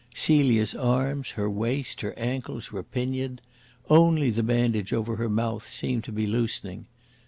Celia's arms, her waist, her ankles were pinioned; only the bandage over her mouth seemed to be loosening.